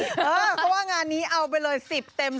เออเพราะว่างานนี้เอาไปเลย๑๐เต็ม๑๐นะจ๊ะ